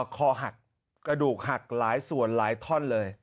คอหักกระดูกหักหลายส่วนหลายท่อนเลย